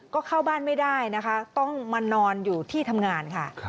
ก็เข้าบ้านไม่ได้นะคะต้องมานอนอยู่ที่ทำงานค่ะ